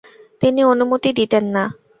তিনি অনুমতি দিতেন না।